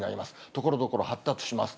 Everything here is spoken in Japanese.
ところどころ発達します。